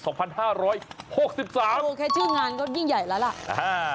โอ้โหแค่ชื่องานก็ยิ่งใหญ่แล้วล่ะ